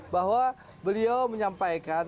bahwa beliau menyampaikan